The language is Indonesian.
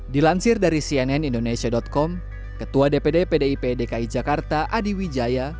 dilansir dari cnn indonesia com ketua dpd pdip dki jakarta adi wijaya